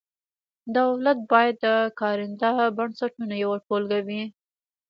دولت باید د کارنده بنسټونو یوه ټولګه وي.